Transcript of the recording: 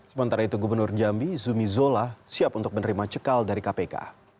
sementara itu gubernur jambi zumi zola siap untuk menerima cekal dari kpk